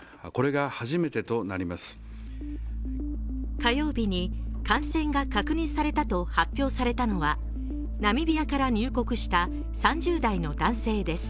火曜日に感染が確認されたと発表されたのはナビミアから入国した３０代の男性です。